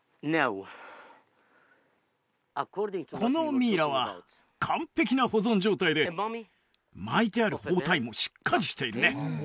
このミイラは完璧な保存状態で巻いてある包帯もしっかりしているね